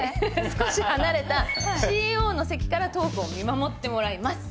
少し離れたＣＥＯの席からトークを見守ってもらいます